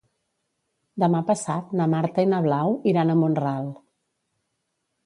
Demà passat na Marta i na Blau iran a Mont-ral.